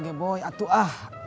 mau ada apa apa stuff